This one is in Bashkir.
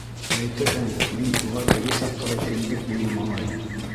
Әйтерһең, мин уға теге саҡтағы кендек буйы малай!